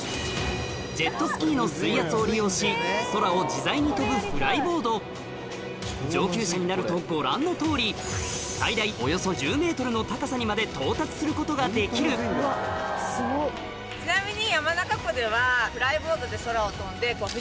ジェットスキーの水圧を利用し空を自在に飛ぶフライボード上級者になるとご覧のとおりにまで到達することができるちなみに。